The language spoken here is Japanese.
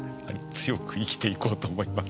強く生きていこうと思います。